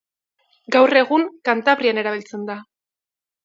Gaur egun, Kantabrian erabiltzen da.